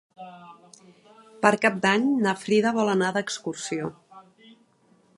Per Cap d'Any na Frida vol anar d'excursió.